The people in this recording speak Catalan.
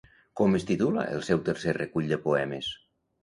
Com es titula el seu tercer recull de poemes?